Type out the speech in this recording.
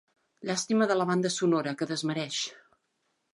Llàstima de la banda sonora, que desmereix.